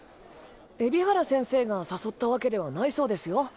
海老原先生が誘ったわけではないそうですよ。